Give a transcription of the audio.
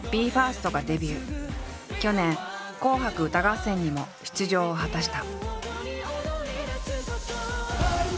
去年「紅白歌合戦」にも出場を果たした。